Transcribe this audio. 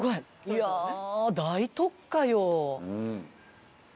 いやあ大特価よ！